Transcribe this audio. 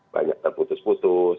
banyak yang terputus putus